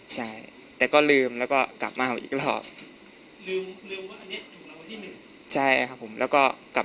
ใช่แต่ก็ลืมแล้วก็กลับมาให้อีกรอบ